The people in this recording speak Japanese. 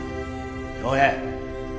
恭平。